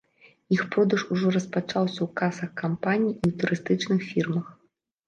Іх продаж ужо распачаўся ў касах кампаніі і ў турыстычных фірмах.